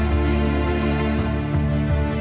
aku seharusnya tawarin